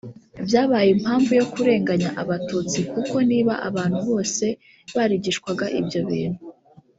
Byabaye impanvu yo kurenganya Abatutsi kuko niba abantu bose barigishwaga ibyo bintu